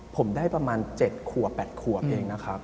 ผมได้ประมาณ๗ขวบ๘ขวบเองนะครับ